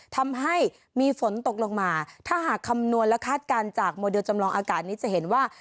ทำให้มีฝนตกลงมาถ้าหากคำนวณและคาดการณ์จากโมเดลจำลองอากาศนี้จะเห็นว่า